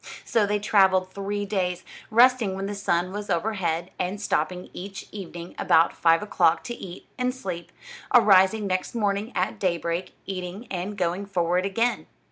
So they traveled three days, resting when the sun was overhead, and stopping each evening about five o'clock to eat and sleep; arising next morning at day break, eating, and going forward again.